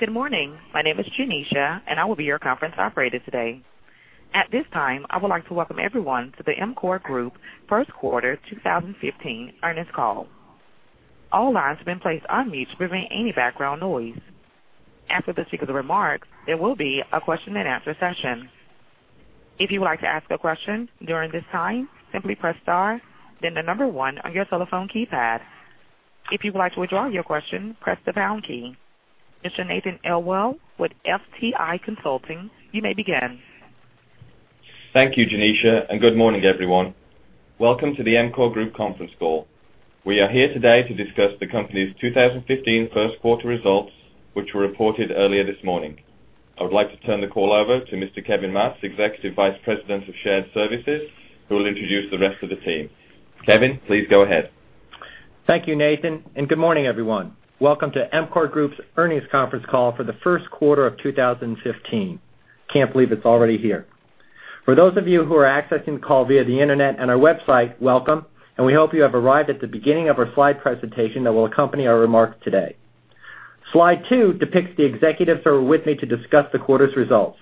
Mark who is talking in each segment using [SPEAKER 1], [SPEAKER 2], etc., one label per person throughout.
[SPEAKER 1] Good morning. My name is Janisha, and I will be your conference operator today. At this time, I would like to welcome everyone to the EMCOR Group First Quarter 2015 Earnings Call. All lines have been placed on mute to prevent any background noise. After the speaker's remarks, there will be a question and answer session. If you would like to ask a question during this time, simply press star, then the number one on your telephone keypad. If you would like to withdraw your question, press the pound key. Mr. Nathan Elwell with FTI Consulting, you may begin.
[SPEAKER 2] Thank you, Janisha. Good morning, everyone. Welcome to the EMCOR Group conference call. We are here today to discuss the company's 2015 first quarter results, which were reported earlier this morning. I would like to turn the call over to Mr. Kevin Matz, Executive Vice President of Shared Services, who will introduce the rest of the team. Kevin, please go ahead.
[SPEAKER 3] Thank you, Nathan. Good morning, everyone. Welcome to EMCOR Group's Earnings Conference Call for the first quarter of 2015. Can't believe it's already here. For those of you who are accessing the call via the internet and our website, welcome. We hope you have arrived at the beginning of our slide presentation that will accompany our remarks today. Slide two depicts the executives who are with me to discuss the quarter's results.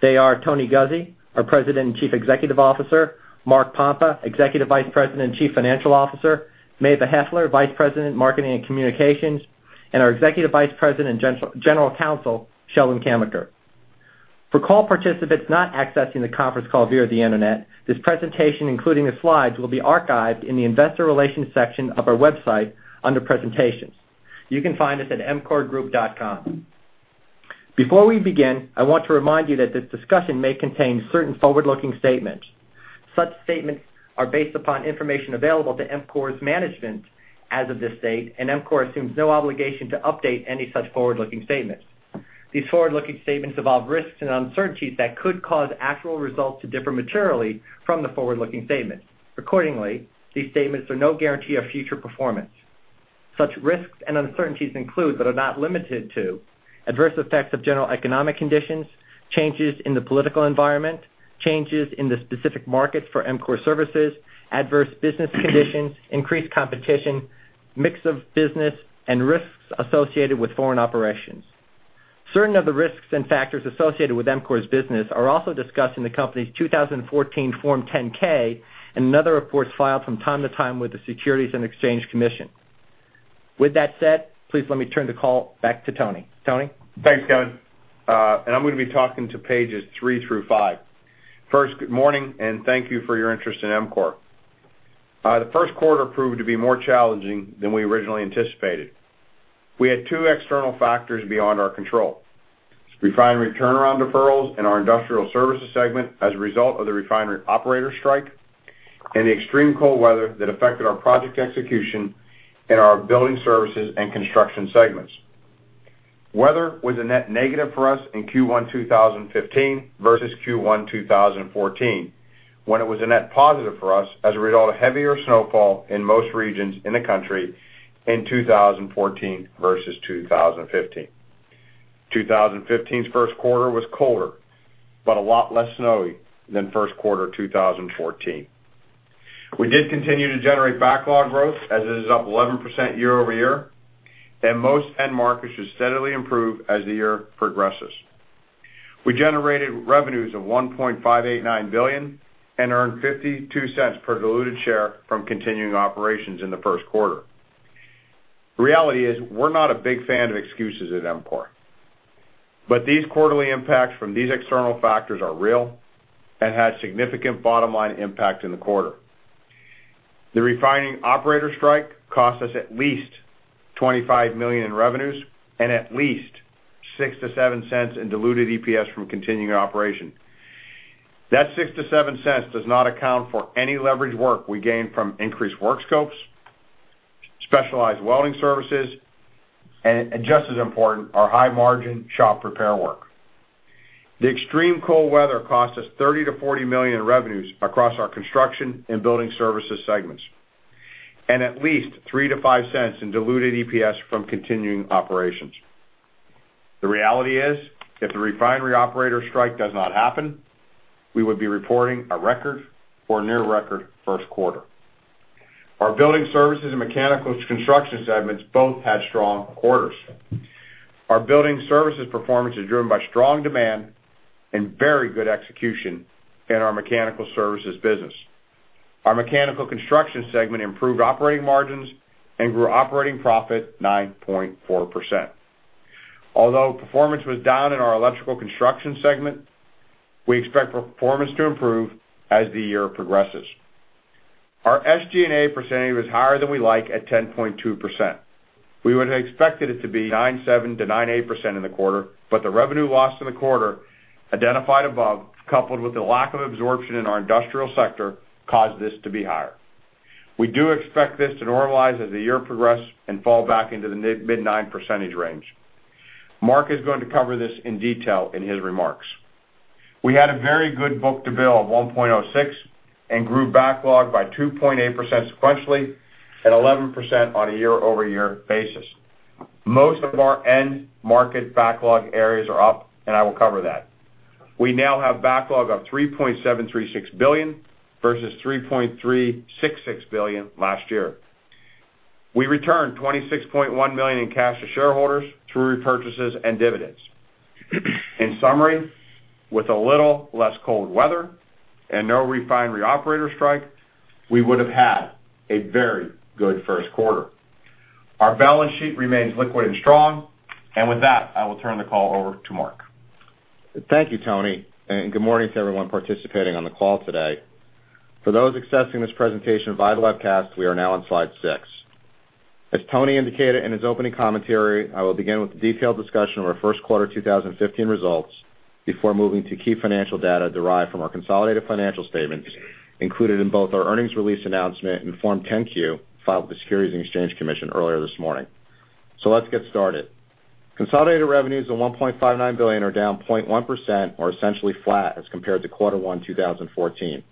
[SPEAKER 3] They are Tony Guzzi, our President and Chief Executive Officer, Mark Pompa, Executive Vice President and Chief Financial Officer, Meva Heffner, Vice President, Marketing and Communications, and our Executive Vice President and General Counsel, Sheldon Kamins. For call participants not accessing the conference call via the internet, this presentation, including the slides, will be archived in the investor relations section of our website under presentations. You can find us at emcorgroup.com. Before we begin, I want to remind you that this discussion may contain certain forward-looking statements. Such statements are based upon information available to EMCOR's management as of this date. EMCOR assumes no obligation to update any such forward-looking statements. These forward-looking statements involve risks and uncertainties that could cause actual results to differ materially from the forward-looking statements. Accordingly, these statements are no guarantee of future performance. Such risks and uncertainties include, but are not limited to adverse effects of general economic conditions, changes in the political environment, changes in the specific markets for EMCOR services, adverse business conditions, increased competition, mix of business, and risks associated with foreign operations. Certain of the risks and factors associated with EMCOR's business are also discussed in the company's 2014 Form 10-K and in other reports filed from time to time with the Securities and Exchange Commission. With that said, please let me turn the call back to Tony. Tony?
[SPEAKER 4] Thanks, Kevin. I'm going to be talking to pages three through five. First, good morning, and thank you for your interest in EMCOR. The first quarter proved to be more challenging than we originally anticipated. We had two external factors beyond our control. Refinery turnaround deferrals in our industrial services segment as a result of the refinery operator strike, and the extreme cold weather that affected our project execution in our building services and construction segments. Weather was a net negative for us in Q1 2015 versus Q1 2014, when it was a net positive for us as a result of heavier snowfall in most regions in the country in 2014 versus 2015. 2015's first quarter was colder, but a lot less snowy than first quarter 2014. We did continue to generate backlog growth, as it is up 11% year-over-year, and most end markets should steadily improve as the year progresses. We generated revenues of $1.589 billion and earned $0.52 per diluted share from continuing operations in the first quarter. Reality is, we're not a big fan of excuses at EMCOR. These quarterly impacts from these external factors are real and had significant bottom-line impact in the quarter. The refining operator strike cost us at least $25 million in revenues and at least $0.06-$0.07 in diluted EPS from continuing operations. That $0.06-$0.07 does not account for any leverage work we gain from increased work scopes, specialized welding services, and just as important, our high-margin shop repair work. The extreme cold weather cost us $30 million-$40 million in revenues across our construction and building services segments, and at least $0.03-$0.05 in diluted EPS from continuing operations. The reality is, if the refinery operator strike does not happen, we would be reporting a record or near record first quarter. Our building services and mechanical construction segments both had strong quarters. Our building services performance is driven by strong demand and very good execution in our mechanical services business. Our mechanical construction segment improved operating margins and grew operating profit 9.4%. Although performance was down in our electrical construction segment, we expect performance to improve as the year progresses. Our SG&A percentage was higher than we like at 10.2%. We would have expected it to be 9.7%-9.8% in the quarter. The revenue loss in the quarter identified above, coupled with the lack of absorption in our industrial sector, caused this to be higher. We do expect this to normalize as the year progresses and fall back into the between mid-9 percentage range. Mark is going to cover this in detail in his remarks. We had a very good book-to-bill of 1.06 and grew backlog by 2.8% sequentially and 11% on a year-over-year basis. Most of our end market backlog areas are up, and I will cover that. We now have backlog of $3.736 billion versus $3.366 billion last year. We returned $26.1 million in cash to shareholders through repurchases and dividends. In summary, with a little less cold weather and no refinery operator strike, we would have had a very good first quarter. Our balance sheet remains liquid and strong. With that, I will turn the call over to Mark.
[SPEAKER 5] Thank you, Tony, and good morning to everyone participating on the call today. For those accessing this presentation via webcast, we are now on slide six. As Tony indicated in his opening commentary, I will begin with a detailed discussion of our first quarter 2015 results before moving to key financial data derived from our consolidated financial statements included in both our earnings release announcement and Form 10-Q filed with the Securities and Exchange Commission earlier this morning. Let's get started. Consolidated revenues of $1.59 billion are down 0.1% or essentially flat as compared to quarter one 2014.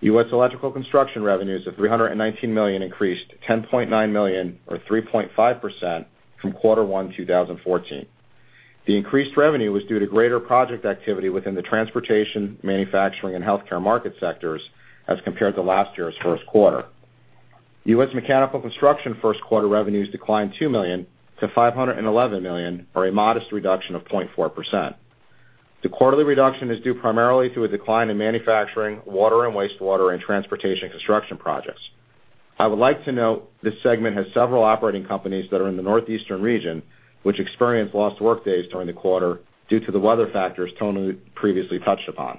[SPEAKER 5] U.S. electrical construction revenues of $319 million increased to $10.9 million or 3.5% from quarter one 2014. The increased revenue was due to greater project activity within the transportation, manufacturing, and healthcare market sectors as compared to last year's first quarter. U.S. mechanical construction first quarter revenues declined $2 million to $511 million or a modest reduction of 0.4%. The quarterly reduction is due primarily to a decline in manufacturing, water and wastewater, and transportation construction projects. I would like to note this segment has several operating companies that are in the northeastern region, which experienced lost workdays during the quarter due to the weather factors Tony previously touched upon.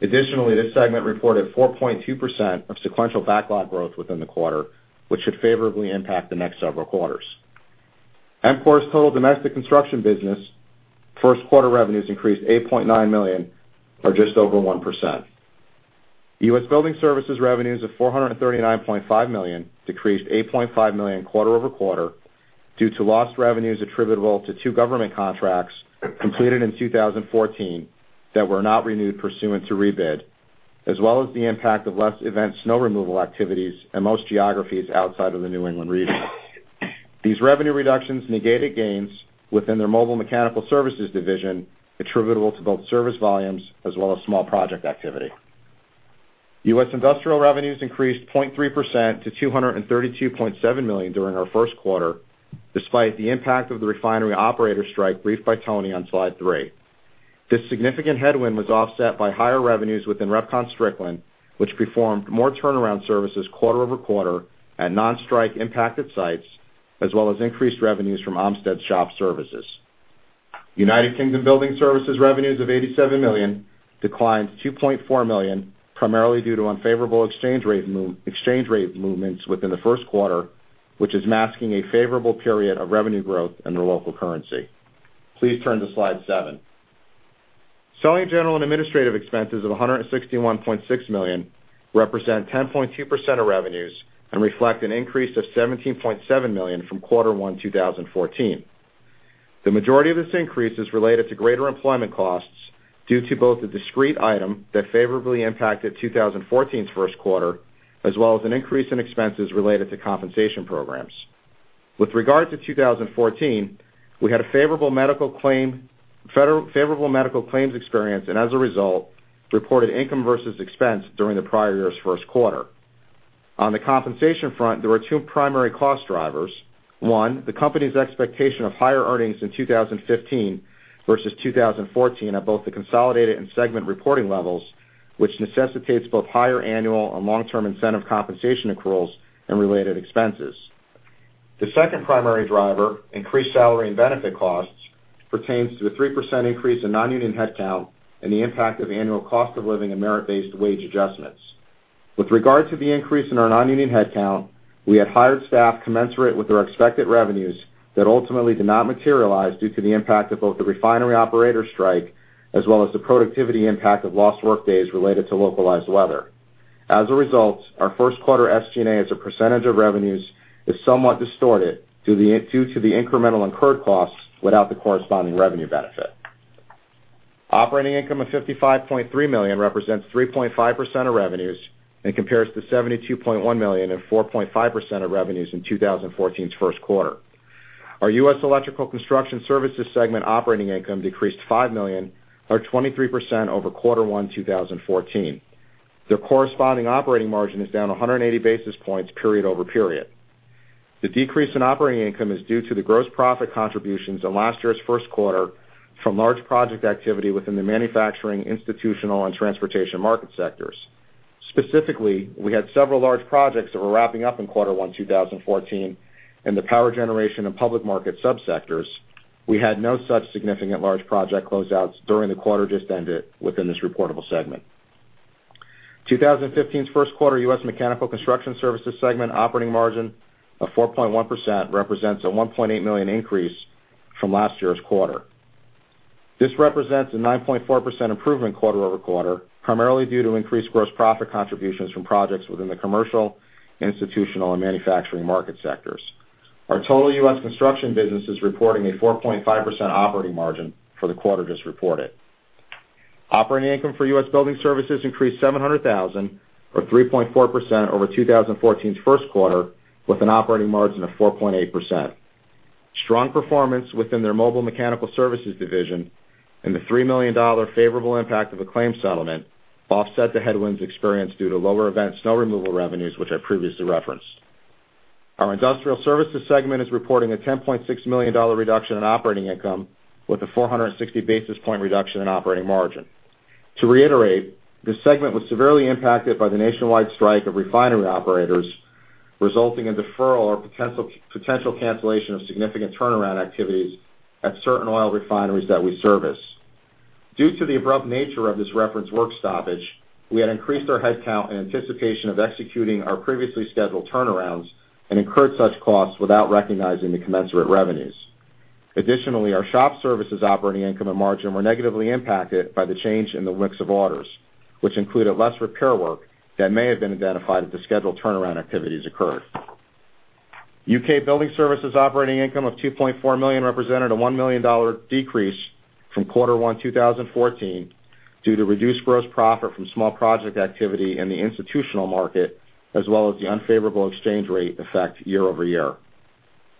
[SPEAKER 5] Additionally, this segment reported 4.2% of sequential backlog growth within the quarter, which should favorably impact the next several quarters. EMCOR's total domestic construction business first quarter revenues increased $8.9 million or just over 1%. U.S. Building Services revenues of $439.5 million decreased $8.5 million quarter-over-quarter due to lost revenues attributable to two government contracts completed in 2014 that were not renewed pursuant to rebid, as well as the impact of less event snow removal activities in most geographies outside of the New England region. These revenue reductions negated gains within their mobile mechanical services division attributable to both service volumes as well as small project activity. U.S. industrial revenues increased 0.3% to $232.7 million during our first quarter, despite the impact of the refinery operator strike briefed by Tony on slide three. This significant headwind was offset by higher revenues within AltairStrickland, which performed more turnaround services quarter-over-quarter at non-strike impacted sites, as well as increased revenues from Ohmstede Shop Services. United Kingdom Building Services revenues of 87 million declined 2.4 million, primarily due to unfavorable exchange rate movements within the first quarter, which is masking a favorable period of revenue growth in the local currency. Please turn to slide seven. Selling, general and administrative expenses of $161.6 million represent 10.2% of revenues and reflect an increase of $17.7 million from quarter one 2014. The majority of this increase is related to greater employment costs due to both a discrete item that favorably impacted 2014's first quarter, as well as an increase in expenses related to compensation programs. With regard to 2014, we had a favorable medical claims experience, and as a result, reported income versus expense during the prior year's first quarter. On the compensation front, there were two primary cost drivers. One, the company's expectation of higher earnings in 2015 versus 2014 at both the consolidated and segment reporting levels, which necessitates both higher annual and long-term incentive compensation accruals and related expenses. The second primary driver, increased salary and benefit costs, pertains to the 3% increase in non-union headcount and the impact of annual cost of living and merit-based wage adjustments. With regard to the increase in our non-union headcount, we had hired staff commensurate with our expected revenues that ultimately did not materialize due to the impact of both the refinery operator strike as well as the productivity impact of lost workdays related to localized weather. As a result, our first quarter SG&A as a percentage of revenues is somewhat distorted due to the incremental incurred costs without the corresponding revenue benefit. Operating income of $55.3 million represents 3.5% of revenues and compares to $72.1 million and 4.5% of revenues in 2014's first quarter. Our U.S. Electrical Construction Services segment operating income decreased $5 million or 23% over quarter one 2014. Their corresponding operating margin is down 180 basis points period-over-period. The decrease in operating income is due to the gross profit contributions in last year's first quarter from large project activity within the manufacturing, institutional, and transportation market sectors. Specifically, we had several large projects that were wrapping up in quarter one 2014 in the power generation and public market subsectors. We had no such significant large project closeouts during the quarter just ended within this reportable segment. 2015's first quarter U.S. Mechanical Construction Services segment operating margin of 4.1% represents a $1.8 million increase from last year's quarter. This represents a 9.4% improvement quarter-over-quarter, primarily due to increased gross profit contributions from projects within the commercial, institutional, and manufacturing market sectors. Our total U.S. construction business is reporting a 4.5% operating margin for the quarter just reported. Operating income for U.S. Building Services increased $700,000 or 3.4% over 2014's first quarter with an operating margin of 4.8%. Strong performance within their mobile mechanical services division and the $3 million favorable impact of a claim settlement offset the headwinds experienced due to lower event snow removal revenues, which I previously referenced. Our industrial services segment is reporting a $10.6 million reduction in operating income with a 460-basis point reduction in operating margin. To reiterate, this segment was severely impacted by the nationwide strike of refinery operators, resulting in deferral or potential cancellation of significant turnaround activities at certain oil refineries that we service. Due to the abrupt nature of this referenced work stoppage, we had increased our headcount in anticipation of executing our previously scheduled turnarounds and incurred such costs without recognizing the commensurate revenues. Additionally, our shop services operating income and margin were negatively impacted by the change in the mix of orders, which included less repair work that may have been identified if the scheduled turnaround activities occurred. U.K. building services operating income of $2.4 million represented a $1 million decrease from quarter one 2014 due to reduced gross profit from small project activity in the institutional market, as well as the unfavorable exchange rate effect year-over-year.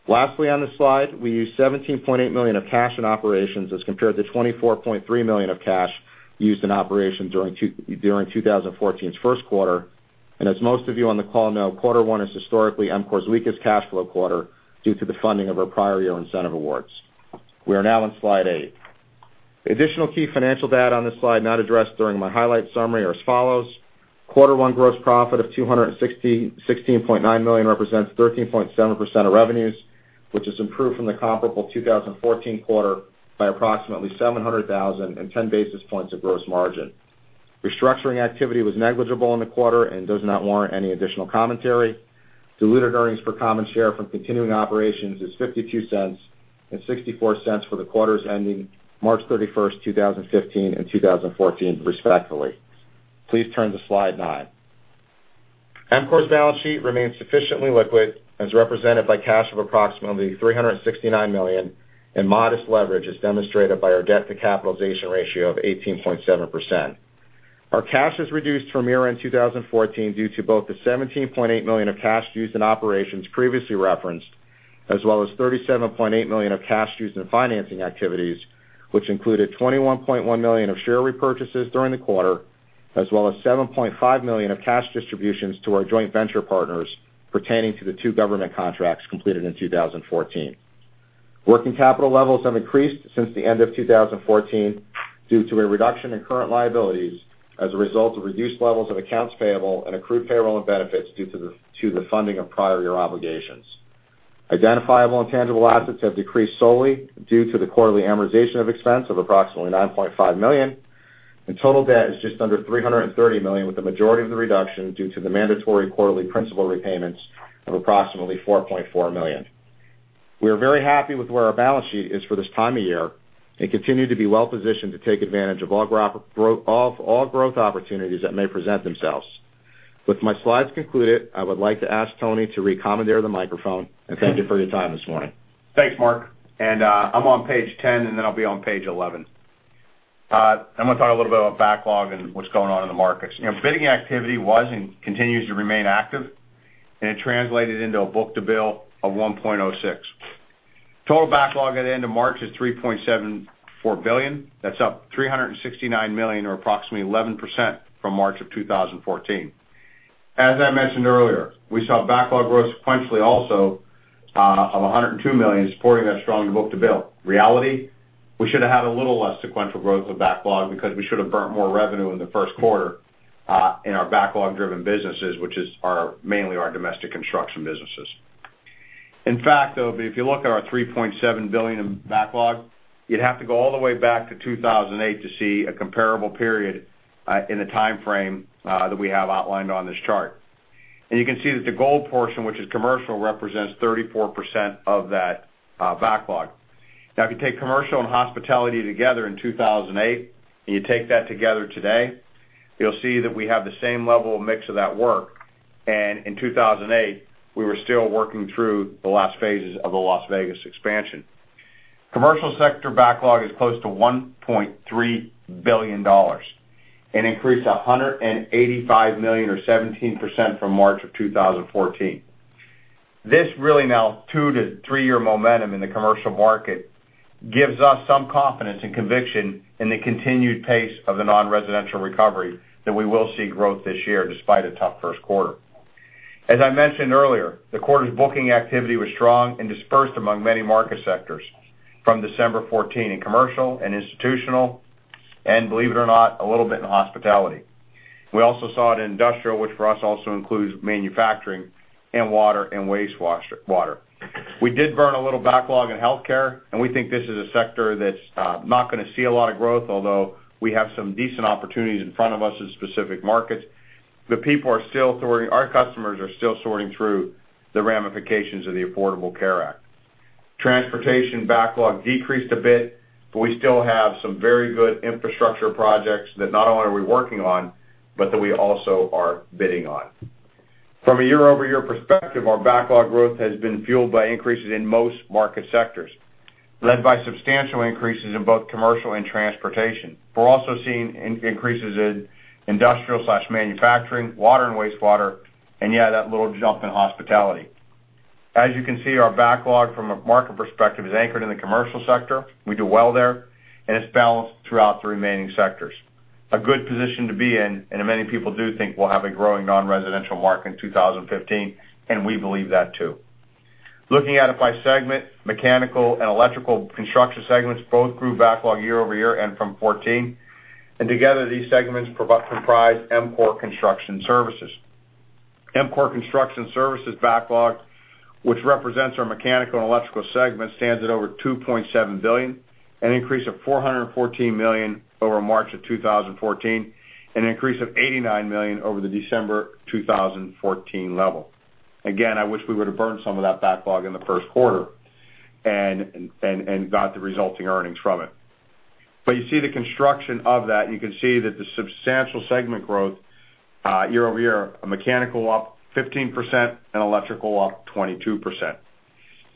[SPEAKER 5] Lastly, on this slide, we used $17.8 million of cash in operations as compared to $24.3 million of cash used in operations during 2014's first quarter. As most of you on the call know, quarter one is historically EMCOR's weakest cash flow quarter due to the funding of our prior year incentive awards. We are now on slide eight. Additional key financial data on this slide not addressed during my highlight summary are as follows. Quarter one gross profit of $216.9 million represents 13.7% of revenues, which has improved from the comparable 2014 quarter by approximately $700,000 and 10 basis points of gross margin. Restructuring activity was negligible in the quarter and does not warrant any additional commentary. Diluted earnings per common share from continuing operations is $0.52 and $0.64 for the quarters ending March 31st, 2015 and 2014, respectively. Please turn to slide nine. EMCOR's balance sheet remains sufficiently liquid, as represented by cash of approximately $369 million, and modest leverage, as demonstrated by our debt-to-capitalization ratio of 18.7%. Our cash has reduced from year-end 2014 due to both the $17.8 million of cash used in operations previously referenced, as well as $37.8 million of cash used in financing activities, which included $21.1 million of share repurchases during the quarter, as well as $7.5 million of cash distributions to our joint venture partners pertaining to the two government contracts completed in 2014. Working capital levels have increased since the end of 2014 due to a reduction in current liabilities as a result of reduced levels of accounts payable and accrued payroll and benefits due to the funding of prior year obligations. Identifiable and tangible assets have decreased solely due to the quarterly amortization of expense of approximately $9.5 million. Total debt is just under $330 million, with the majority of the reduction due to the mandatory quarterly principal repayments of approximately $4.4 million. We are very happy with where our balance sheet is for this time of year and continue to be well-positioned to take advantage of all growth opportunities that may present themselves. With my slides concluded, I would like to ask Tony to re-commandeer the microphone, and thank you for your time this morning.
[SPEAKER 4] Thanks, Mark. I'm on page 10, then I'll be on page 11. I'm going to talk a little bit about backlog and what's going on in the markets. Bidding activity was and continues to remain active, it translated into a book-to-bill of 1.06. Total backlog at the end of March is $3.74 billion. That's up $369 million or approximately 11% from March of 2014. As I mentioned earlier, we saw backlog grow sequentially also of $102 million supporting that strong book-to-bill. Reality, we should have had a little less sequential growth of backlog because we should have burnt more revenue in the first quarter in our backlog-driven businesses, which is mainly our domestic construction businesses. In fact, though, if you look at our $3.7 billion in backlog, you'd have to go all the way back to 2008 to see a comparable period in the timeframe that we have outlined on this chart. You can see that the gold portion, which is commercial, represents 34% of that backlog. Now, if you take commercial and hospitality together in 2008, you take that together today, you'll see that we have the same level of mix of that work. In 2008, we were still working through the last phases of the Las Vegas expansion. Commercial sector backlog is close to $1.3 billion. It increased $185 million or 17% from March of 2014. This really now two to three-year momentum in the commercial market gives us some confidence and conviction in the continued pace of the non-residential recovery that we will see growth this year despite a tough first quarter. As I mentioned earlier, the quarter's booking activity was strong and dispersed among many market sectors from December 2014 in commercial and institutional, believe it or not, a little bit in hospitality. We also saw it in industrial, which for us also includes manufacturing and water and wastewater. We did burn a little backlog in healthcare, we think this is a sector that's not going to see a lot of growth, although we have some decent opportunities in front of us in specific markets. Our customers are still sorting through the ramifications of the Affordable Care Act. Transportation backlog decreased a bit. We still have some very good infrastructure projects that not only are we working on, but that we also are bidding on. From a year-over-year perspective, our backlog growth has been fueled by increases in most market sectors. Led by substantial increases in both commercial and transportation. We're also seeing increases in industrial/manufacturing, water and wastewater, and yeah, that little jump in hospitality. As you can see, our backlog from a market perspective is anchored in the commercial sector. We do well there, and it's balanced throughout the remaining sectors. A good position to be in, and many people do think we'll have a growing non-residential market in 2015, and we believe that too. Looking at it by segment, mechanical and electrical construction segments both grew backlog year-over-year and from 2014. Together, these segments comprise EMCOR Construction Services. EMCOR Construction Services backlog, which represents our mechanical and electrical segment, stands at over $2.7 billion, an increase of $414 million over March 2014, an increase of $89 million over the December 2014 level. I wish we would have burned some of that backlog in the first quarter and got the resulting earnings from it. You see the construction of that, and you can see that the substantial segment growth year-over-year, mechanical up 15% and electrical up 22%.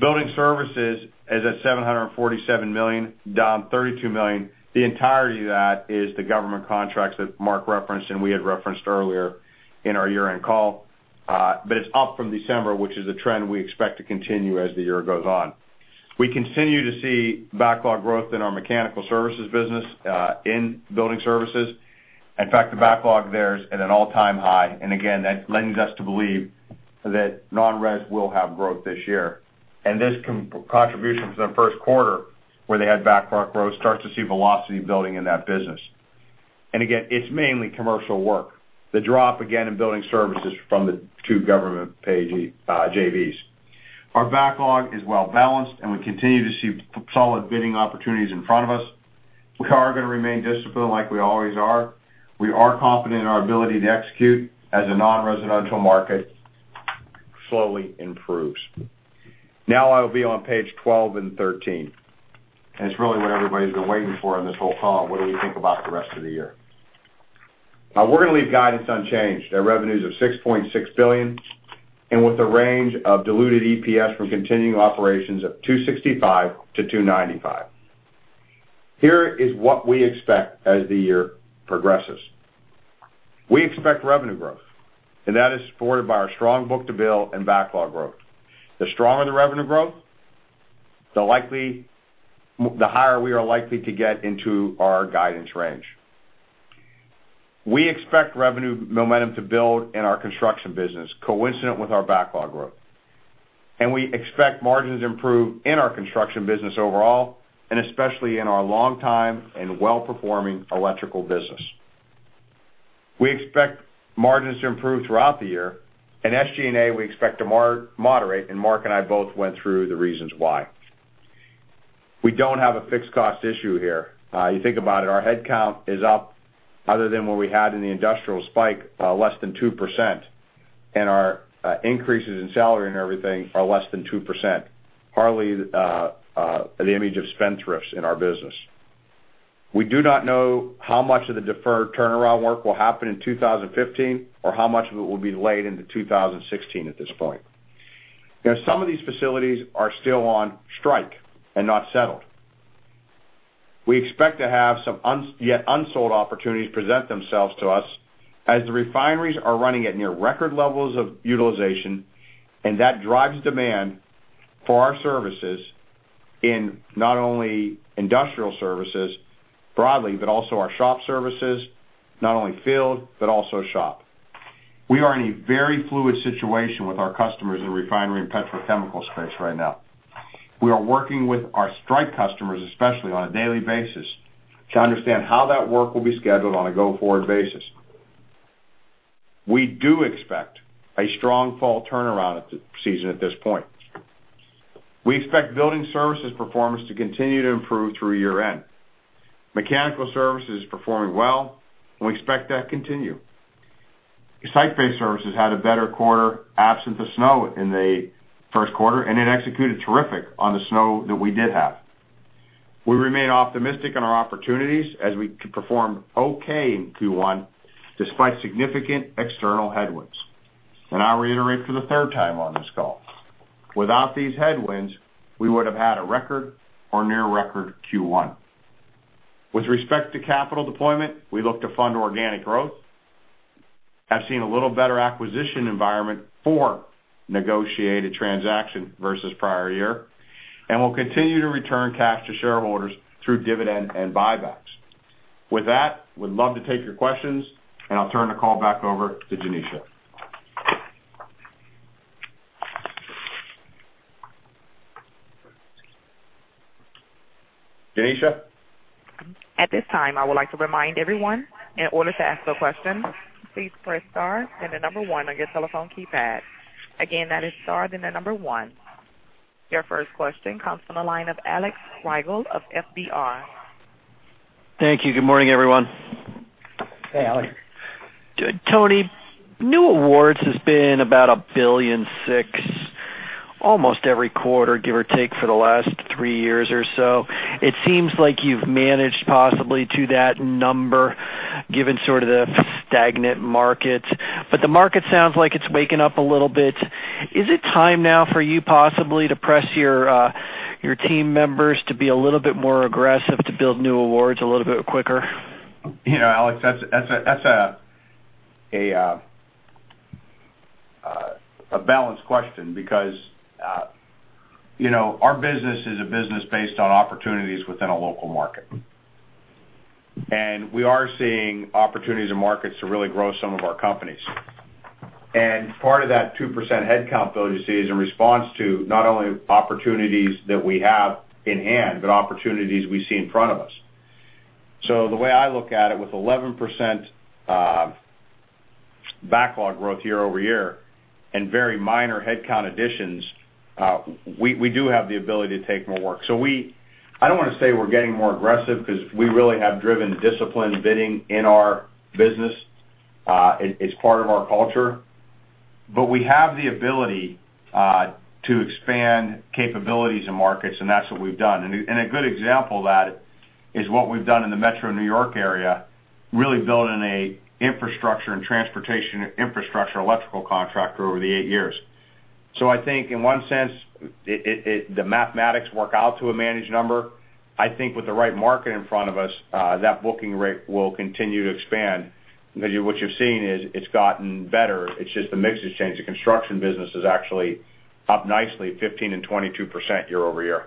[SPEAKER 4] Building Services is at $747 million, down $32 million. The entirety of that is the government contracts that Mark referenced, and we had referenced earlier in our year-end call. It's up from December, which is a trend we expect to continue as the year goes on. We continue to see backlog growth in our mechanical services business, in Building Services. In fact, the backlog there is at an all-time high. Again, that lends us to believe that non-res will have growth this year. This contribution from the first quarter, where they had backlog growth, start to see velocity building in that business. Again, it's mainly commercial work. The drop, again, in Building Services from the two government JVs. Our backlog is well balanced, and we continue to see solid bidding opportunities in front of us. We are going to remain disciplined like we always are. We are confident in our ability to execute as the non-residential market slowly improves. Now I'll be on page 12 and 13. It's really what everybody's been waiting for on this whole call, what do we think about the rest of the year? We're going to leave guidance unchanged at revenues of $6.6 billion with a range of diluted EPS from continuing operations of $2.65-$2.95. Here is what we expect as the year progresses. We expect revenue growth. That is supported by our strong book-to-bill and backlog growth. The stronger the revenue growth, the higher we are likely to get into our guidance range. We expect revenue momentum to build in our construction business coincident with our backlog growth. We expect margins to improve in our construction business overall, and especially in our long-time and well-performing electrical business. We expect margins to improve throughout the year. In SG&A, we expect to moderate. Mark and I both went through the reasons why. We don't have a fixed cost issue here. You think about it, our headcount is up other than what we had in the industrial spike, less than 2%. Our increases in salary and everything are less than 2%, hardly the image of spendthrifts in our business. We do not know how much of the deferred turnaround work will happen in 2015 or how much of it will be delayed into 2016 at this point. Some of these facilities are still on strike and not settled. We expect to have some yet unsold opportunities present themselves to us as the refineries are running at near record levels of utilization, and that drives demand for our services in not only industrial services broadly, but also our shop services, not only field, but also shop. We are in a very fluid situation with our customers in the refinery and petrochemical space right now. We are working with our strike customers especially on a daily basis to understand how that work will be scheduled on a go-forward basis. We do expect a strong fall turnaround season at this point. We expect building services performance to continue to improve through year end. Mechanical services is performing well, and we expect that to continue. Site-based services had a better quarter absent the snow in the first quarter, and it executed terrific on the snow that we did have. We remain optimistic in our opportunities as we performed okay in Q1 despite significant external headwinds. I'll reiterate for the third time on this call, without these headwinds, we would have had a record or near record Q1. With respect to capital deployment, we look to fund organic growth, have seen a little better acquisition environment for negotiated transaction versus prior year, we'll continue to return cash to shareholders through dividend and buybacks. With that, we'd love to take your questions, I'll turn the call back over to Janisha. Janisha?
[SPEAKER 1] At this time, I would like to remind everyone, in order to ask a question, please press star, then the number one on your telephone keypad. Again, that is star, then the number one. Your first question comes from the line of Alex Rygiel of FBR.
[SPEAKER 6] Thank you. Good morning, everyone.
[SPEAKER 3] Hey, Alex.
[SPEAKER 6] Tony, new awards has been about $1.6 billion almost every quarter, give or take, for the last three years or so. It seems like you've managed possibly to that number Given sort of the stagnant market. The market sounds like it's waking up a little bit. Is it time now for you possibly to press your team members to be a little bit more aggressive to build new awards a little bit quicker?
[SPEAKER 4] Alex, that's a balanced question because our business is a business based on opportunities within a local market. We are seeing opportunities in markets to really grow some of our companies. Part of that 2% headcount build you see is in response to not only opportunities that we have in hand, but opportunities we see in front of us. The way I look at it, with 11% backlog growth year-over-year and very minor headcount additions, we do have the ability to take more work. I don't want to say we're getting more aggressive because we really have driven disciplined bidding in our business. It's part of our culture. We have the ability to expand capabilities in markets, and that's what we've done. A good example of that is what we've done in the Metro New York area, really building a infrastructure and transportation infrastructure electrical contractor over the eight years. I think in one sense, the mathematics work out to a managed number. I think with the right market in front of us, that booking rate will continue to expand. Because what you're seeing is it's gotten better. It's just the mix has changed. The construction business is actually up nicely 15% and 22% year-over-year.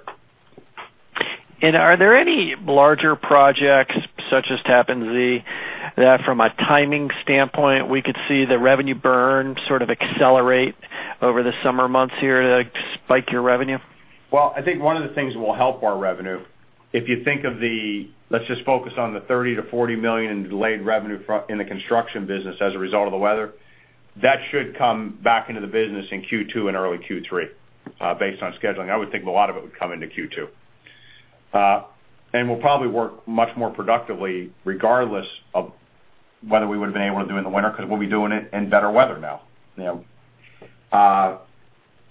[SPEAKER 6] Are there any larger projects such as Tappan Zee that from a timing standpoint, we could see the revenue burn sort of accelerate over the summer months here to spike your revenue?
[SPEAKER 4] Well, I think one of the things that will help our revenue, if you think of the, let's just focus on the $30 million-$40 million in delayed revenue in the construction business as a result of the weather. That should come back into the business in Q2 and early Q3, based on scheduling. I would think that a lot of it would come into Q2. We'll probably work much more productively regardless of whether we would've been able to do it in the winter because we'll be doing it in better weather now.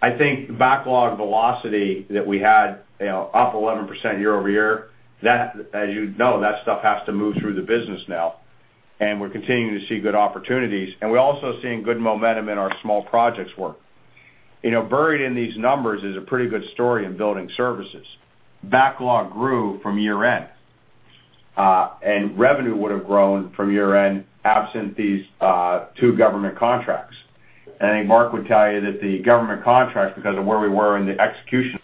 [SPEAKER 4] I think backlog velocity that we had up 11% year-over-year, as you know, that stuff has to move through the business now, and we're continuing to see good opportunities. We're also seeing good momentum in our small projects work. Buried in these numbers is a pretty good story in building services. Backlog grew from year-end, revenue would have grown from year-end absent these two government contracts. I think Mark would tell you that the government contracts, because of where we were in the execution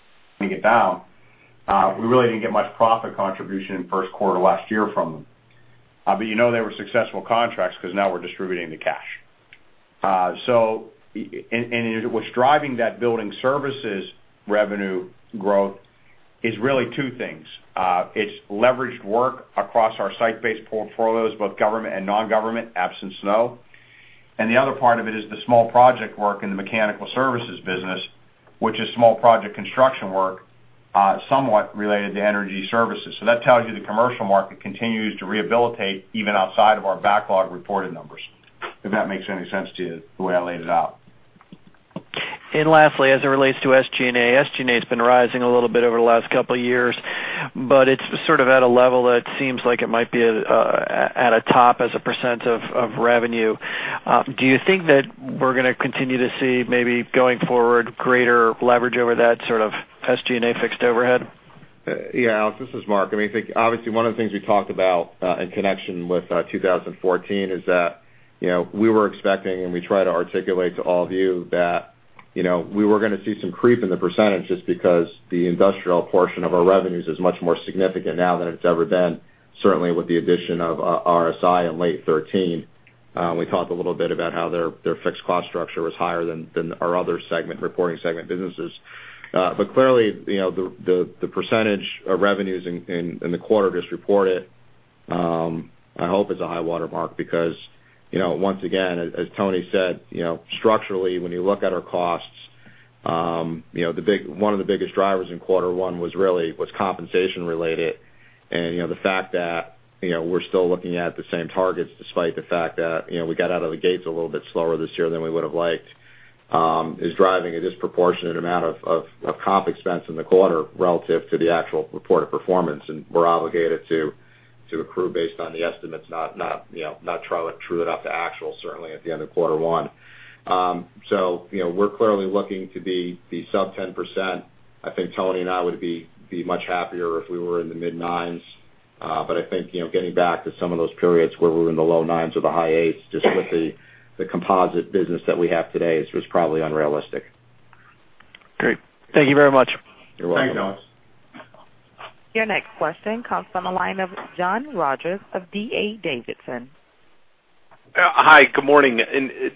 [SPEAKER 6] Great. Thank you very much.
[SPEAKER 4] You're welcome.
[SPEAKER 3] Thanks, Alex.
[SPEAKER 1] Your next question comes from the line of John Rogers of D.A. Davidson.
[SPEAKER 7] Hi, good morning.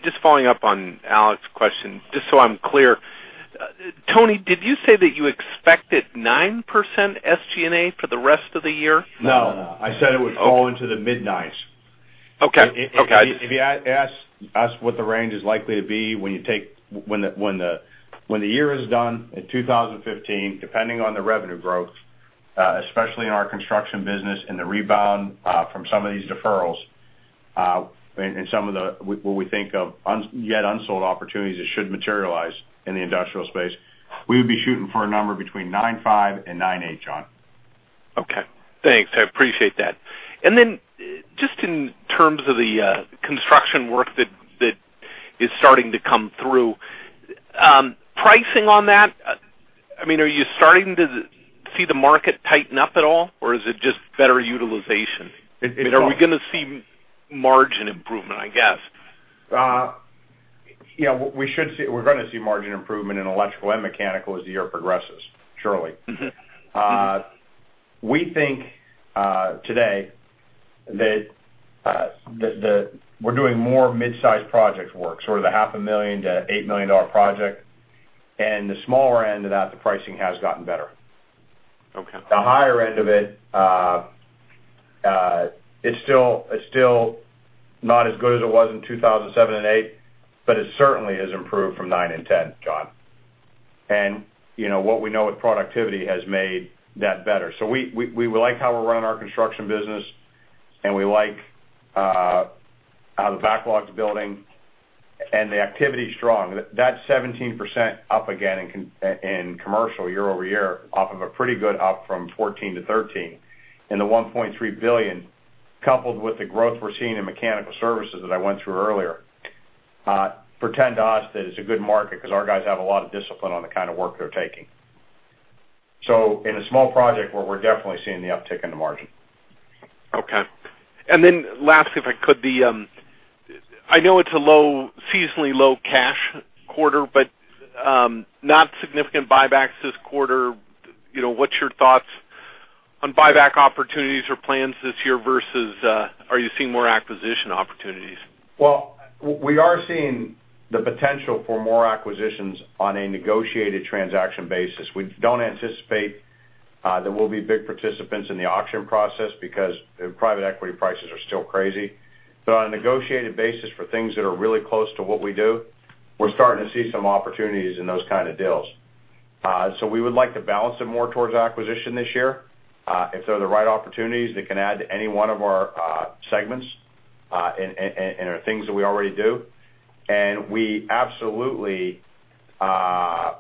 [SPEAKER 7] Just following up on Alex's question, just so I'm clear, Tony, did you say that you expected 9% SG&A for the rest of the year?
[SPEAKER 4] No, I said it would fall into the mid-nines.
[SPEAKER 7] Okay.
[SPEAKER 4] If you ask us what the range is likely to be when the year is done in 2015, depending on the revenue growth, especially in our construction business and the rebound from some of these deferrals, and some of what we think of yet unsold opportunities that should materialize in the industrial space, we would be shooting for a number between 9.5% and 9.8%, John.
[SPEAKER 7] Thanks. I appreciate that. Just in terms of the construction work that is starting to come through, pricing on that, are you starting to see the market tighten up at all, or is it just better utilization? Are we going to see margin improvement, I guess?
[SPEAKER 4] Yeah. We're going to see margin improvement in electrical and mechanical as the year progresses, surely. We think, today, that we're doing more mid-size project work, sort of the half a million to $8 million project. The smaller end of that, the pricing has gotten better.
[SPEAKER 7] Okay.
[SPEAKER 4] The higher end of it's still not as good as it was in 2007 and 2008, but it certainly has improved from 2009 and 2010, John. What we know with productivity has made that better. We like how we're running our construction business, and we like how the backlog's building, and the activity's strong. That 17% up again in commercial year-over-year, off of a pretty good up from 2014 to 2013, and the $1.3 billion, coupled with the growth we're seeing in mechanical services that I went through earlier, portend to us that it's a good market because our guys have a lot of discipline on the kind of work they're taking. In a small project where we're definitely seeing the uptick in the margin.
[SPEAKER 7] Okay. Last, if I could be, I know it's a seasonally low cash quarter, not significant buybacks this quarter. What's your thoughts on buyback opportunities or plans this year versus, are you seeing more acquisition opportunities?
[SPEAKER 4] Well, we are seeing the potential for more acquisitions on a negotiated transaction basis. We don't anticipate that we'll be big participants in the auction process because private equity prices are still crazy. On a negotiated basis for things that are really close to what we do, we're starting to see some opportunities in those kind of deals. We would like to balance it more towards acquisition this year. If they're the right opportunities, they can add to any one of our segments, and are things that we already do, and we absolutely are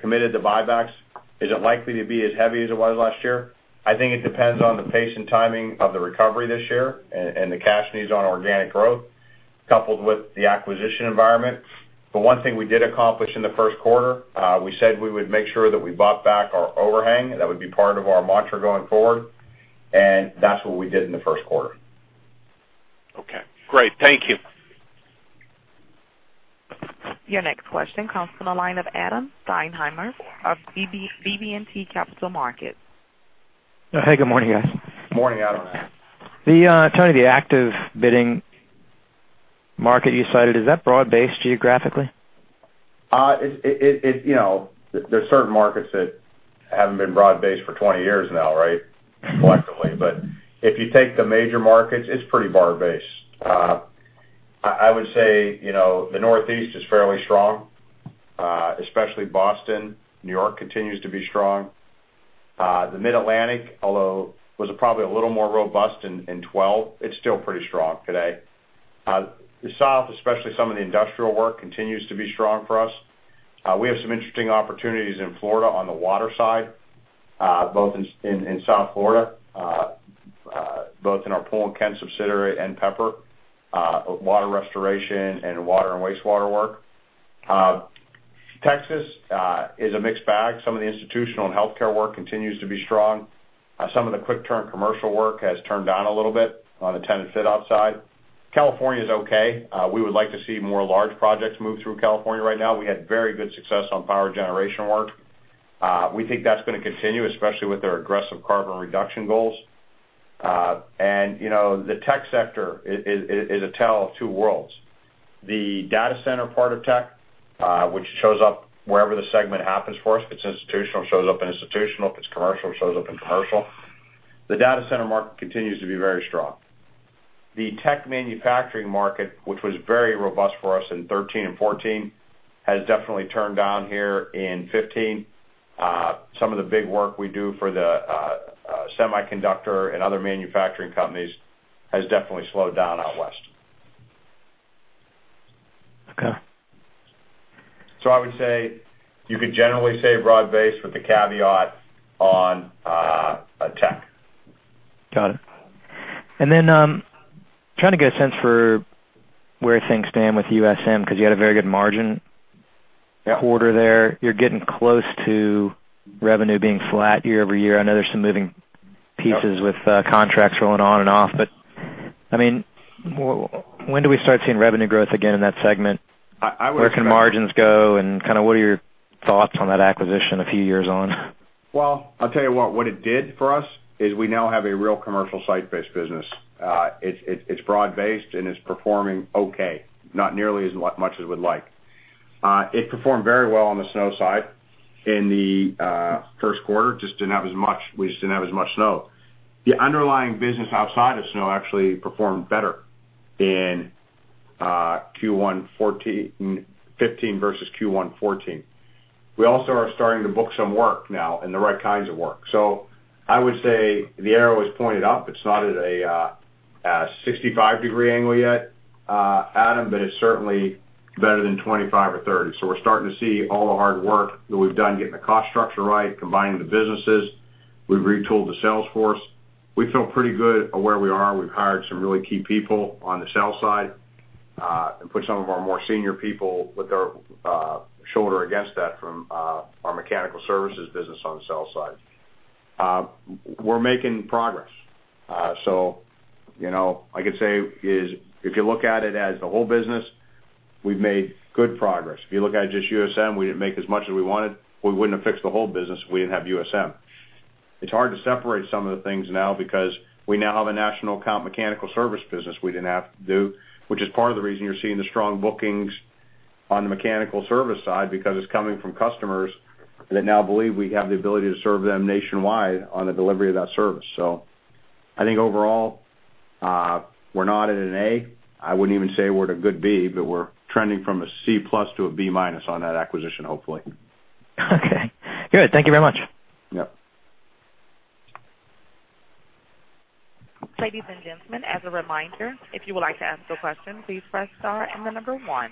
[SPEAKER 4] committed to buybacks. Is it likely to be as heavy as it was last year? I think it depends on the pace and timing of the recovery this year and the cash needs on organic growth, coupled with the acquisition environment. One thing we did accomplish in the first quarter, we said we would make sure that we bought back our overhang. That would be part of our mantra going forward, and that's what we did in the first quarter.
[SPEAKER 7] Okay, great. Thank you.
[SPEAKER 1] Your next question comes from the line of Adam Thalhimer of BB&T Capital Markets.
[SPEAKER 8] Hey, good morning, guys.
[SPEAKER 4] Morning, Adam.
[SPEAKER 8] Tony, the active bidding market you cited, is that broad-based geographically?
[SPEAKER 4] There's certain markets that haven't been broad-based for 20 years now, collectively. If you take the major markets, it's pretty broad-based. I would say, the Northeast is fairly strong, especially Boston. New York continues to be strong. The Mid-Atlantic, although was probably a little more robust in 2012, it's still pretty strong today. The South, especially some of the industrial work, continues to be strong for us. We have some interesting opportunities in Florida on the water side, both in South Florida, both in our Poole & Kent subsidiary and Pepper, water restoration and water and wastewater work. Texas is a mixed bag. Some of the institutional and healthcare work continues to be strong. Some of the quick turn commercial work has turned down a little bit on the tenant fit-out side. California's okay. We would like to see more large projects move through California right now. We had very good success on power generation work. We think that's going to continue, especially with their aggressive carbon reduction goals. The tech sector is a tale of two worlds. The data center part of tech, which shows up wherever the segment happens for us, if it's institutional, shows up in institutional, if it's commercial, shows up in commercial. The data center market continues to be very strong. The tech manufacturing market, which was very robust for us in 2013 and 2014, has definitely turned down here in 2015. Some of the big work we do for the semiconductor and other manufacturing companies has definitely slowed down out West.
[SPEAKER 8] Okay.
[SPEAKER 4] I would say you could generally say broad-based with the caveat on tech.
[SPEAKER 8] Got it. Then, trying to get a sense for where things stand with USM, because you had a very good margin quarter there. You're getting close to revenue being flat year-over-year. I know there's some moving pieces with contracts rolling on and off, when do we start seeing revenue growth again in that segment?
[SPEAKER 4] I would.
[SPEAKER 8] Where can margins go, and what are your thoughts on that acquisition a few years on?
[SPEAKER 4] Well, I'll tell you what. What it did for us is we now have a real commercial site-based business. It's broad-based, and it's performing okay. Not nearly as much as we'd like. It performed very well on the snow side in the first quarter, just we didn't have as much snow. The underlying business outside of snow actually performed better in Q1 2015 versus Q1 2014. We also are starting to book some work now and the right kinds of work. I would say the arrow is pointed up. It's not at a 65-degree angle yet, Adam, but it's certainly better than 25 or 30. We're starting to see all the hard work that we've done getting the cost structure right, combining the businesses. We've retooled the sales force. We feel pretty good of where we are. We've hired some really key people on the sales side, and put some of our more senior people with their shoulder against that from our mechanical services business on the sales side. We're making progress. I could say is, if you look at it as the whole business, we've made good progress. If you look at just USM, we didn't make as much as we wanted. We wouldn't have fixed the whole business if we didn't have USM. It's hard to separate some of the things now because we now have a national account mechanical service business we didn't have to do, which is part of the reason you're seeing the strong bookings on the mechanical service side because it's coming from customers that now believe we have the ability to serve them nationwide on the delivery of that service. I think overall, we're not at an A. I wouldn't even say we're at a good B, but we're trending from a C plus to a B minus on that acquisition, hopefully.
[SPEAKER 8] Okay, good. Thank you very much.
[SPEAKER 4] Yep.
[SPEAKER 1] Ladies and gentlemen, as a reminder, if you would like to ask a question, please press star and the number one.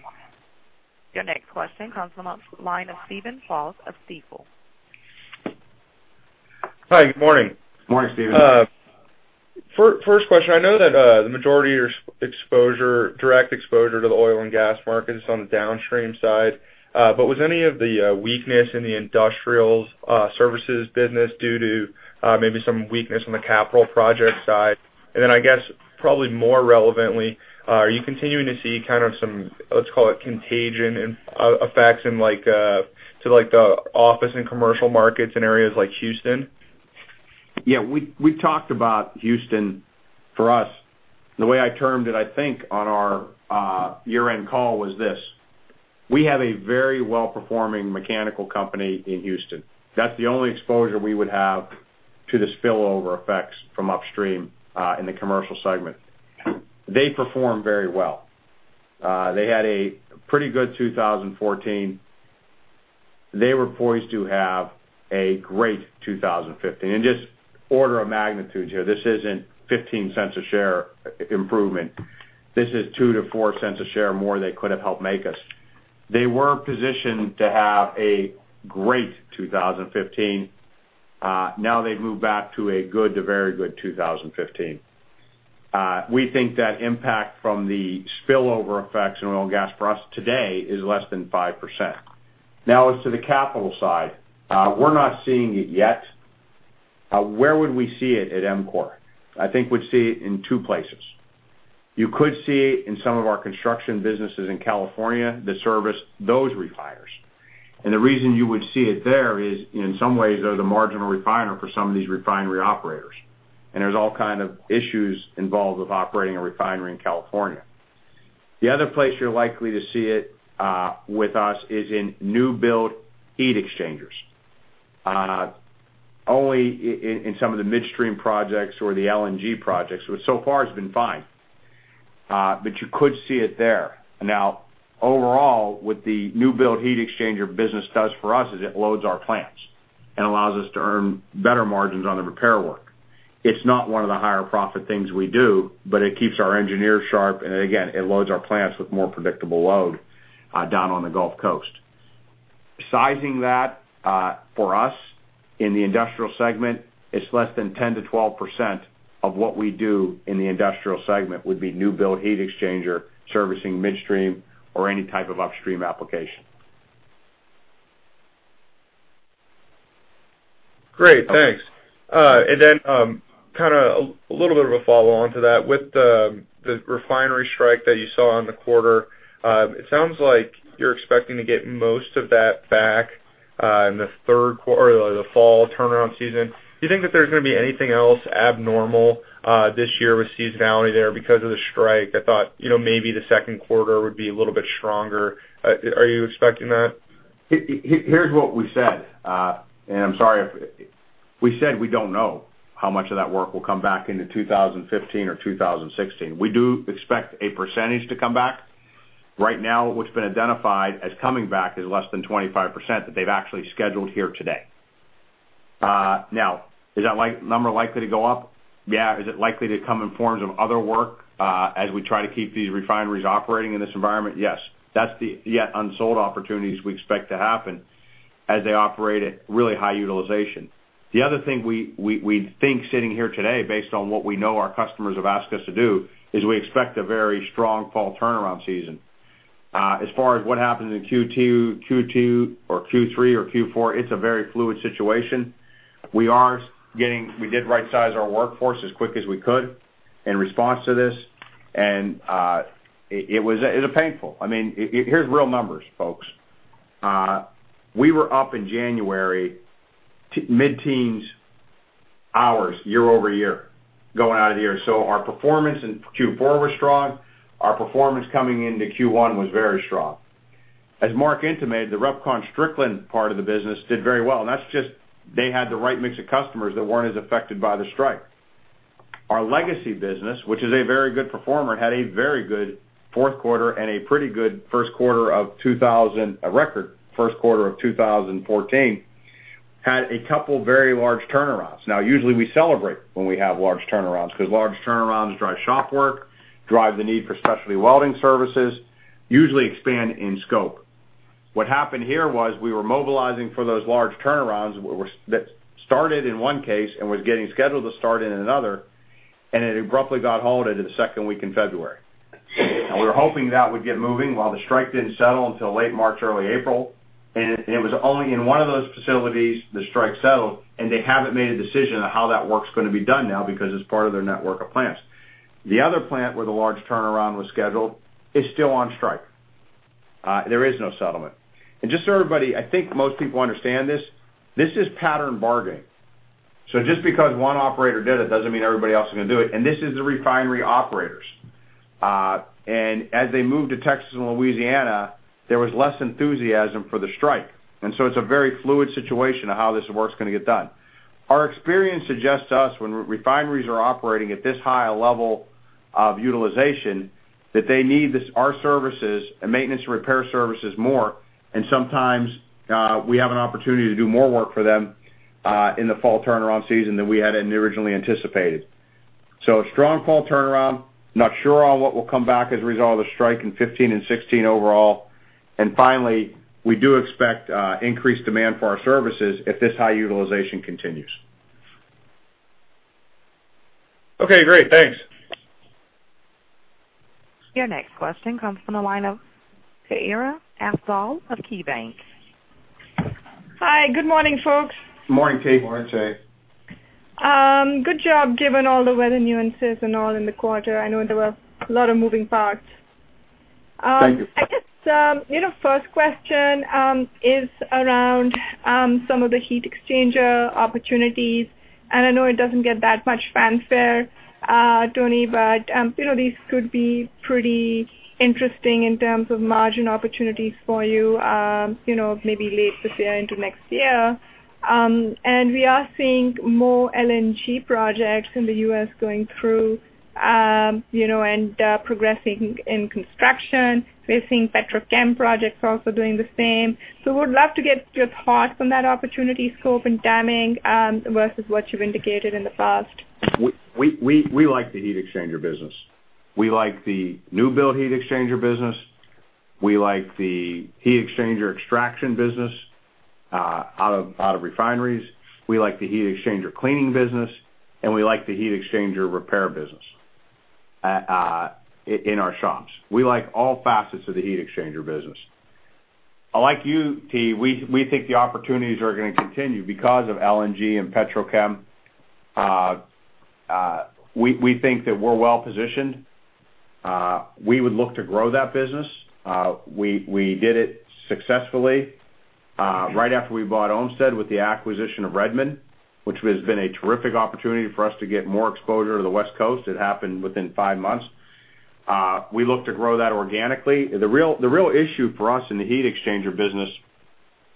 [SPEAKER 1] Your next question comes on the line of Steven Fisher of Stifel.
[SPEAKER 9] Hi. Good morning.
[SPEAKER 4] Morning, Steven.
[SPEAKER 9] First question, I know that the majority of direct exposure to the oil and gas market is on the downstream side. Was any of the weakness in the industrial services business due to maybe some weakness on the capital project side? Then, I guess, probably more relevantly, are you continuing to see kind of some, let's call it contagion effects to the office and commercial markets in areas like Houston?
[SPEAKER 4] Yeah, we talked about Houston for us. The way I termed it, I think, on our year-end call was this: We have a very well-performing mechanical company in Houston. That's the only exposure we would have to the spillover effects from upstream, in the commercial segment. They perform very well. They had a pretty good 2014. They were poised to have a great 2015, just order of magnitude here. This isn't $0.15 a share improvement. This is $0.02-$0.04 a share more they could have helped make us. They were positioned to have a great 2015. Now they've moved back to a good to very good 2015. We think that impact from the spillover effects in oil and gas for us today is less than 5%. As to the capital side, we're not seeing it yet. Where would we see it at EMCOR? I think we'd see it in two places. You could see it in some of our construction businesses in California that service those refiners. The reason you would see it there is in some ways, they're the marginal refiner for some of these refinery operators. The other place you're likely to see it, with us, is in new build heat exchangers. Only in some of the midstream projects or the LNG projects, where so far has been fine. You could see it there. Overall, what the new build heat exchanger business does for us is it loads our plants and allows us to earn better margins on the repair work. It's not one of the higher profit things we do, but it keeps our engineers sharp, and again, it loads our plants with more predictable load down on the Gulf Coast. Sizing that, for us, in the industrial segment is less than 10%-12% of what we do in the industrial segment would be new build heat exchanger servicing midstream or any type of upstream application.
[SPEAKER 9] Great. Thanks. Kind of a little bit of a follow-on to that. With the refinery strike that you saw in the quarter, it sounds like you're expecting to get most of that back in the fall turnaround season. Do you think that there's going to be anything else abnormal this year with seasonality there because of the strike? I thought maybe the second quarter would be a little bit stronger. Are you expecting that?
[SPEAKER 4] Here's what we said. We said we don't know how much of that work will come back into 2015 or 2016. We do expect a percentage to come back. Right now, what's been identified as coming back is less than 25% that they've actually scheduled here today. Now, is that number likely to go up? Yeah. Is it likely to come in forms of other work as we try to keep these refineries operating in this environment? Yes. That's the yet unsold opportunities we expect to happen as they operate at really high utilization. The other thing we think sitting here today based on what we know our customers have asked us to do is we expect a very strong fall turnaround season. As far as what happens in Q2, Q3, or Q4, it's a very fluid situation. We did rightsize our workforce as quick as we could in response to this, and it was painful. Here's real numbers, folks. We were up in January mid-teens hours year-over-year going out of the year. Our performance in Q4 was strong. Our performance coming into Q1 was very strong. As Mark intimated, the AltairStrickland part of the business did very well, and that's just they had the right mix of customers that weren't as affected by the strike. Our legacy business, which is a very good performer, had a very good fourth quarter and a record first quarter of 2014, and had a couple very large turnarounds. Now, usually we celebrate when we have large turnarounds, because large turnarounds drive shop work, drive the need for specialty welding services, usually expand in scope. What happened here was we were mobilizing for those large turnarounds that started in one case and was getting scheduled to start in another. It abruptly got halted in the second week in February. We were hoping that would get moving while the strike didn't settle until late March, early April. It was only in one of those facilities the strike settled. They haven't made a decision on how that work's going to be done now because it's part of their network of plants. The other plant where the large turnaround was scheduled is still on strike. There is no settlement. Just so everybody, I think most people understand this is pattern bargaining. Just because one operator did it doesn't mean everybody else is going to do it. This is the refinery operators. As they moved to Texas and Louisiana, there was less enthusiasm for the strike. It's a very fluid situation of how this work's going to get done. Our experience suggests to us when refineries are operating at this high a level of utilization, that they need our services and maintenance repair services more. Sometimes we have an opportunity to do more work for them in the fall turnaround season than we had originally anticipated. Strong fall turnaround. Not sure on what will come back as a result of the strike in 2015 and 2016 overall. Finally, we do expect increased demand for our services if this high utilization continues.
[SPEAKER 9] Okay, great. Thanks.
[SPEAKER 1] Your next question comes from the line of Tahira Afzal of KeyBank.
[SPEAKER 10] Hi, good morning, folks.
[SPEAKER 4] Good morning, Tahira.
[SPEAKER 5] Morning, Tahira.
[SPEAKER 10] Good job given all the weather nuances and all in the quarter. I know there were a lot of moving parts.
[SPEAKER 4] Thank you.
[SPEAKER 10] First question is around some of the heat exchanger opportunities. I know it doesn't get that much fanfare, Tony, but these could be pretty interesting in terms of margin opportunities for you maybe late this year into next year. We are seeing more LNG projects in the U.S. going through and progressing in construction. We're seeing petrochem projects also doing the same. Would love to get your thoughts on that opportunity scope and timing versus what you've indicated in the past.
[SPEAKER 4] We like the heat exchanger business. We like the new build heat exchanger business. We like the heat exchanger extraction business out of refineries. We like the heat exchanger cleaning business, and we like the heat exchanger repair business in our shops. We like all facets of the heat exchanger business. Like you, Tahira, we think the opportunities are going to continue because of LNG and petrochem. We think that we're well-positioned. We would look to grow that business. We did it successfully right after we bought Ohmstede Ltd. with the acquisition of Redmond, which has been a terrific opportunity for us to get more exposure to the West Coast. It happened within five months. We look to grow that organically. The real issue for us in the heat exchanger business,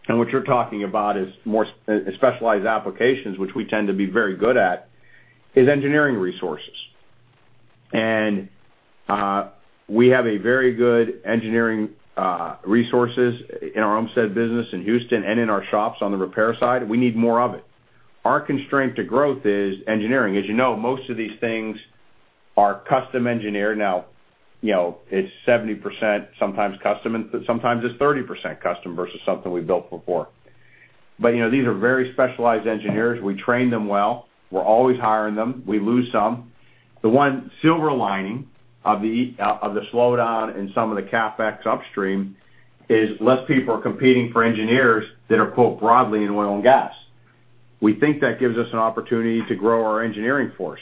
[SPEAKER 4] what you're talking about is more specialized applications, which we tend to be very good at, is engineering resources. We have a very good engineering resources in our Ohmstede Ltd. business in Houston and in our shops on the repair side. We need more of it. Our constraint to growth is engineering. As you know, most of these things are custom engineered now. It's 70% sometimes custom, and sometimes it's 30% custom versus something we built before. These are very specialized engineers. We train them well. We're always hiring them. We lose some. The one silver lining of the slowdown in some of the CapEx upstream is less people are competing for engineers that are, quote, "broadly in oil and gas." We think that gives us an opportunity to grow our engineering force.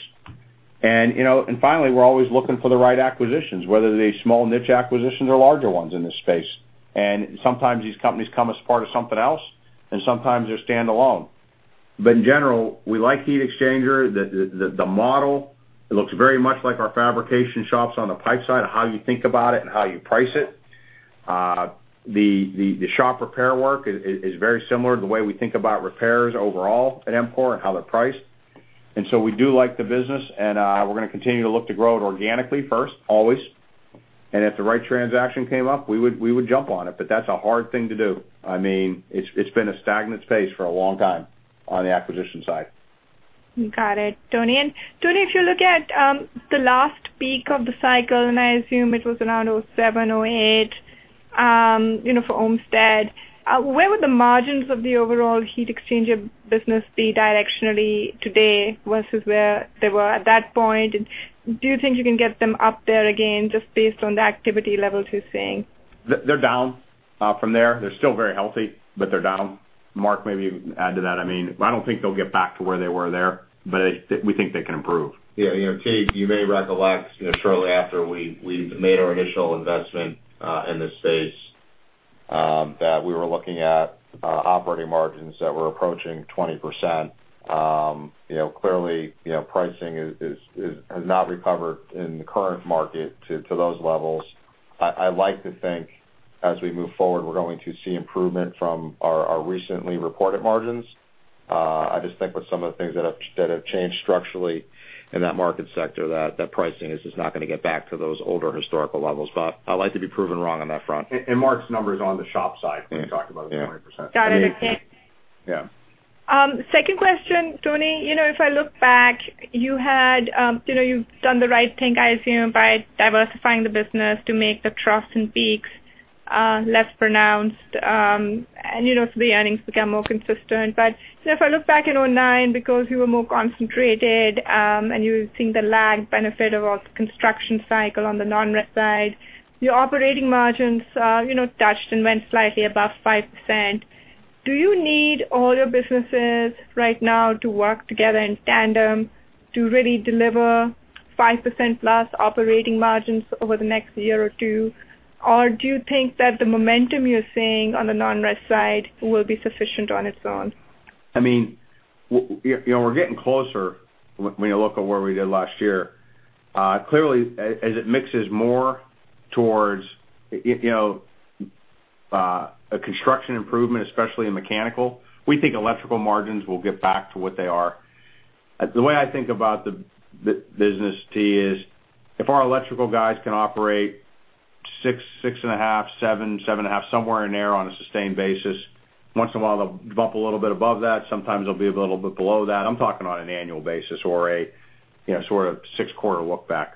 [SPEAKER 4] Finally, we're always looking for the right acquisitions, whether they're small niche acquisitions or larger ones in this space. Sometimes these companies come as part of something else, and sometimes they're standalone. In general, we like heat exchanger. The model looks very much like our fabrication shops on the pipe side, how you think about it and how you price it. The shop repair work is very similar to the way we think about repairs overall at EMCOR and how they're priced. We do like the business, and we're going to continue to look to grow it organically first, always. If the right transaction came up, we would jump on it. That's a hard thing to do. It's been a stagnant space for a long time on the acquisition side.
[SPEAKER 10] Got it, Tony. Tony, if you look at the last peak of the cycle, and I assume it was around 2007, 2008, for Ohmstede, where would the margins of the overall heat exchanger business be directionally today versus where they were at that point? Do you think you can get them up there again, just based on the activity levels you're seeing?
[SPEAKER 4] They're down from there. They're still very healthy, but they're down. Mark, maybe you can add to that. I don't think they'll get back to where they were there, but we think they can improve.
[SPEAKER 5] Yeah. Tahira, you may recollect shortly after we made our initial investment in this space, that we were looking at operating margins that were approaching 20%. Clearly, pricing has not recovered in the current market to those levels. I like to think as we move forward, we're going to see improvement from our recently reported margins. I just think with some of the things that have changed structurally in that market sector, that pricing is just not going to get back to those older historical levels. I'd like to be proven wrong on that front.
[SPEAKER 4] Mark's number is on the shop side when you talk about the 20%.
[SPEAKER 10] Got it.
[SPEAKER 4] Yeah.
[SPEAKER 10] Second question, Tony. If I look back, you've done the right thing, I assume, by diversifying the business to make the troughs and peaks less pronounced. The earnings become more consistent. If I look back in 2009, because you were more concentrated, and you were seeing the lag benefit of construction cycle on the non-res side, your operating margins touched and went slightly above 5%. Do you need all your businesses right now to work together in tandem to really deliver 5%+ operating margins over the next year or two? Do you think that the momentum you're seeing on the non-res side will be sufficient on its own?
[SPEAKER 4] We're getting closer when you look at where we did last year. Clearly, as it mixes more towards a construction improvement, especially in mechanical, we think electrical margins will get back to what they are. The way I think about the business, T, is if our electrical guys can operate six and a half, seven and a half, somewhere in there on a sustained basis. Once in a while, they'll bump a little bit above that. Sometimes they'll be a little bit below that. I'm talking on an annual basis or a sort of six-quarter look back.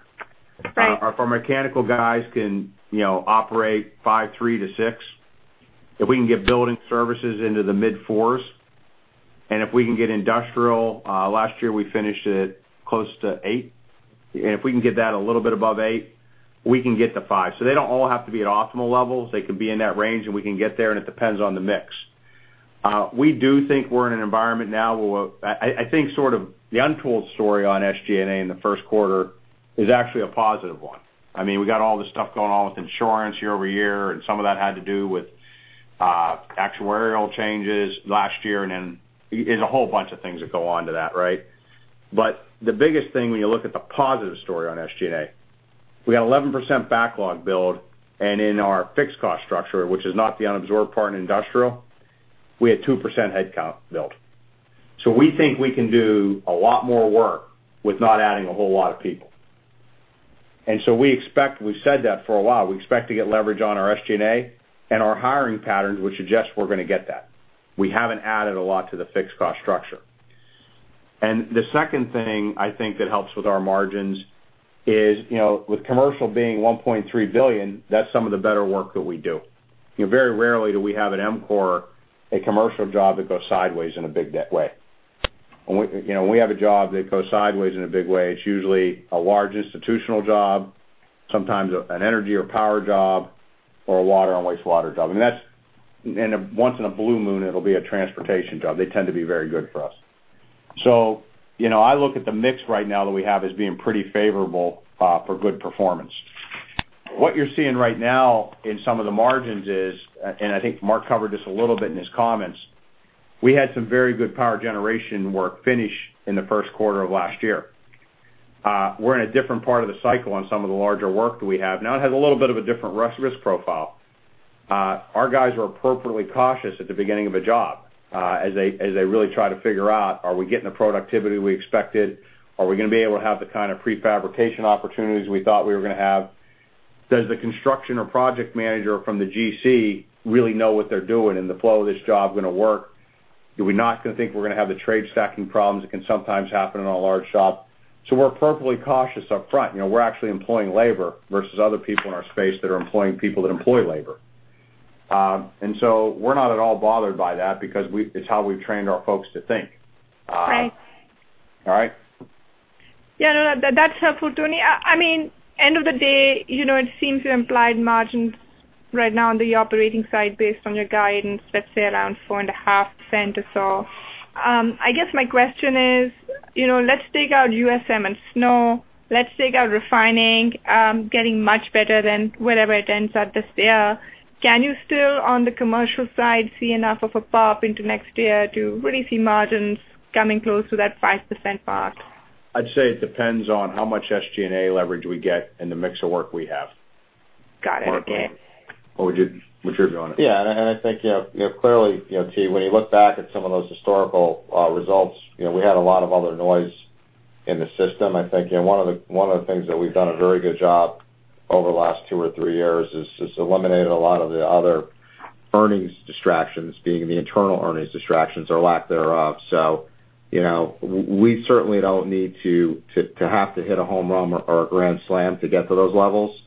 [SPEAKER 10] Right.
[SPEAKER 4] If our mechanical guys can operate 5%-6%. If we can get building services into the mid-4s, if we can get industrial, last year we finished at close to 8%. If we can get that a little bit above 8%, we can get to 5%. They don't all have to be at optimal levels. They could be in that range, and we can get there, and it depends on the mix. We do think we're in an environment now where I think sort of the untold story on SG&A in the first quarter is actually a positive one. We got all this stuff going on with insurance year-over-year, and some of that had to do with actuarial changes last year, and then there's a whole bunch of things that go on to that, right? The biggest thing when you look at the positive story on SG&A, we had 11% backlog build, and in our fixed cost structure, which is not the unabsorbed part in industrial, we had 2% headcount build. We think we can do a lot more work with not adding a whole lot of people. We've said that for a while. We expect to get leverage on our SG&A and our hiring patterns, which suggest we're going to get that. We haven't added a lot to the fixed cost structure. The second thing I think that helps with our margins is with commercial being $1.3 billion, that's some of the better work that we do. Very rarely do we have at EMCOR a commercial job that goes sideways in a big way. When we have a job that goes sideways in a big way, it's usually a large institutional job, sometimes an energy or power job, or a water and wastewater job. Once in a blue moon, it'll be a transportation job. They tend to be very good for us. I look at the mix right now that we have as being pretty favorable for good performance. What you're seeing right now in some of the margins is, and I think Mark covered this a little bit in his comments, we had some very good power generation work finish in the first quarter of last year. We're in a different part of the cycle on some of the larger work that we have now. It has a little bit of a different risk profile. Our guys are appropriately cautious at the beginning of a job, as they really try to figure out, are we getting the productivity we expected? Are we going to be able to have the kind of pre-fabrication opportunities we thought we were going to have? Does the construction or project manager from the GC really know what they're doing, and the flow of this job going to work? Do we not think we're going to have the trade stacking problems that can sometimes happen in a large shop? We're appropriately cautious up front. We're actually employing labor versus other people in our space that are employing people that employ labor. We're not at all bothered by that because it's how we've trained our folks to think.
[SPEAKER 10] Right.
[SPEAKER 4] All right?
[SPEAKER 10] Yeah, no, that's helpful, Tony. End of the day, it seems the implied margins right now on the operating side, based on your guidance, let's say around 4.5% or so. I guess my question is, let's take out USM and snow. Let's take out refining, getting much better than wherever it ends at this year. Can you still, on the commercial side, see enough of a pop into next year to really see margins coming close to that 5% mark?
[SPEAKER 4] I'd say it depends on how much SG&A leverage we get and the mix of work we have.
[SPEAKER 10] Got it. Okay.
[SPEAKER 4] Mark, what's your view on it?
[SPEAKER 5] Yeah, I think clearly, T, when you look back at some of those historical results, we had a lot of other noise in the system. I think one of the things that we've done a very good job over the last two or three years is eliminated a lot of the other earnings distractions, being the internal earnings distractions or lack thereof. We certainly don't need to have to hit a home run or a grand slam to get to those levels.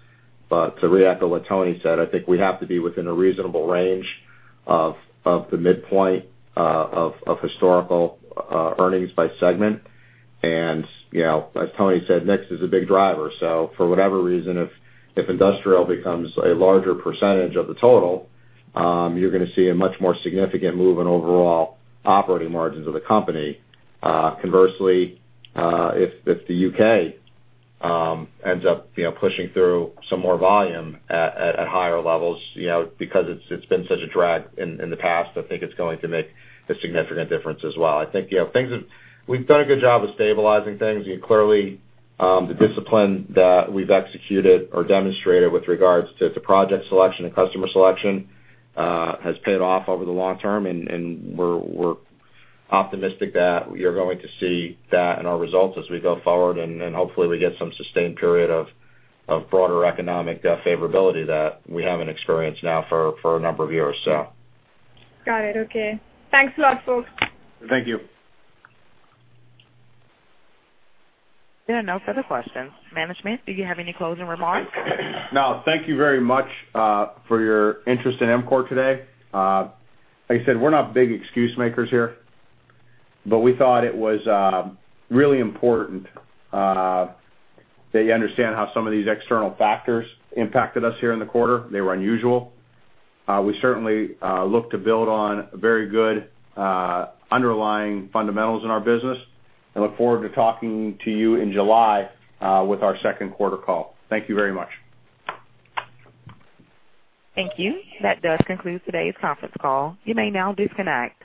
[SPEAKER 5] To react to what Tony said, I think we have to be within a reasonable range of the midpoint of historical earnings by segment. As Tony said, mix is a big driver. For whatever reason, if industrial becomes a larger % of the total, you're going to see a much more significant move in overall operating margins of the company. Conversely, if the U.K. ends up pushing through some more volume at higher levels because it's been such a drag in the past, I think it's going to make a significant difference as well. I think we've done a good job of stabilizing things. Clearly, the discipline that we've executed or demonstrated with regards to the project selection and customer selection has paid off over the long term, we're optimistic that you're going to see that in our results as we go forward. Hopefully we get some sustained period of broader economic favorability that we haven't experienced now for a number of years.
[SPEAKER 10] Got it. Okay. Thanks a lot, folks.
[SPEAKER 4] Thank you.
[SPEAKER 1] Yeah, no further questions. Management, do you have any closing remarks?
[SPEAKER 4] No. Thank you very much, for your interest in EMCOR today. Like I said, we are not big excuse makers here. We thought it was really important that you understand how some of these external factors impacted us here in the quarter. They were unusual. We certainly look to build on very good underlying fundamentals in our business and look forward to talking to you in July with our second quarter call. Thank you very much.
[SPEAKER 1] Thank you. That does conclude today's conference call. You may now disconnect.